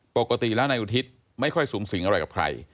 ปกติแล้วนายอุทิศไม่ค่อยสูงสิงอะไรกับใคร